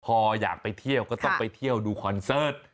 พออยากไปเที่ยวก็ต้องไปเที่ยวดูคอนเสิร์ต